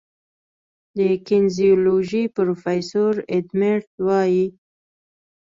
د کینیزیولوژي پروفیسور ایډ میرټ وايي